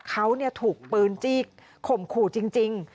เขาถูกปืนจี้ข่มขู่จริง